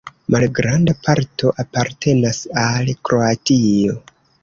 Malgranda parto apartenas al Kroatio.